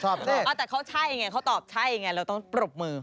แต่เขาใช่ไงเขาตอบใช่ไงเราต้องปรบมือ